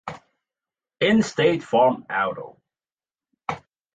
In State Farm Auto.